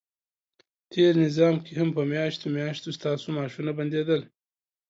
تېر نظام کې هم په میاشتو میاشتو ستاسو معاشونه بندیدل،